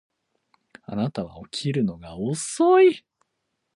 あなたは起きるのが遅い